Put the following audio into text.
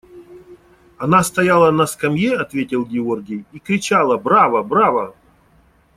– Она стояла на скамье, – ответил Георгий, – и кричала: «Браво, браво!»